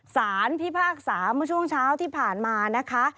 สารพิพากษาเมื่อช่วงเช้าที่ผ่านมานะคะ